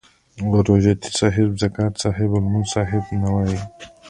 روژه تي صاحب، زکاتې صاحب او لمونځي صاحب نه وایي.